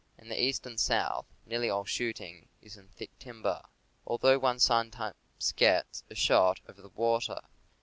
In the East and South, nearly all shooting is in thick timber, al though one sometimes gets a shot over the water.